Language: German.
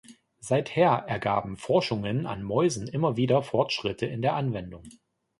Seither ergaben Forschungen an Mäusen immer wieder Fortschritte in der Anwendung.